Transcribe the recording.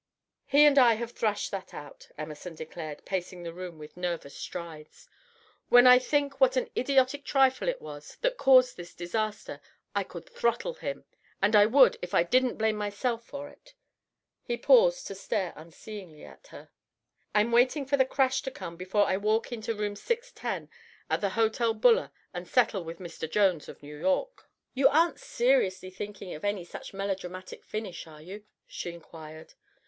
"He and I have threshed that out," Emerson declared, pacing the room with nervous strides. "When I think what an idiotic trifle it was that caused this disaster, I could throttle him and I would if I didn't blame myself for it." He paused to stare unseeingly at her. "I'm waiting for the crash to come before I walk into room 610 at the Hotel Buller and settle with 'Mr. Jones, of New York.'" "You aren't seriously thinking of any such melodramatic finish, are you?" she inquired.